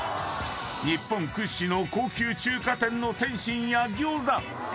［日本屈指の高級中華店の点心や餃子］